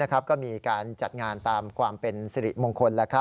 ก็มีการจัดงานตามความเป็นสิริมงคล